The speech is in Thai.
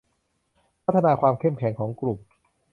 พัฒนาความเข้มแข็งของกลุ่ม